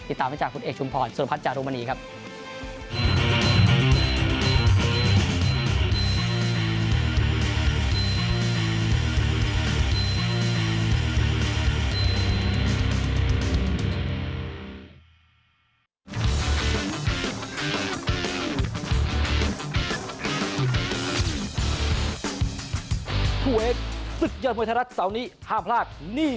ติดตามจากคุณเอกชุมพรสวัสดิ์ภัทรจารุมณีครับ